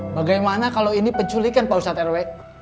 bagaimana kalau ini penculikan pak ustadz rw